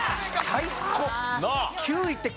最高。